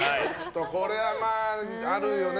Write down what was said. これは、あるよね。